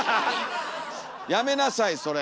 やめなさいそれ！